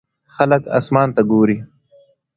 خلک اسمان ته ګوري.